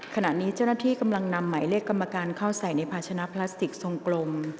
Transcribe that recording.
ขณะนี้เจ้าหน้าที่กำลังนำหมายเลขกรรมการเข้าใส่ในภาชนะพลาสติกทรงกลม